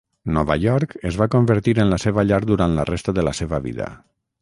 Nova York es va convertir en la seva llar durant la resta de la seva vida.